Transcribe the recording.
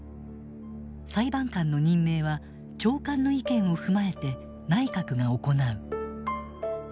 裁判官の任命は長官の意見を踏まえて内閣が行う。